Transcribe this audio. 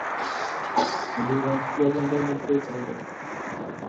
আমি আর ক্রিয়াকাণ্ডের মধ্যে যাইব না।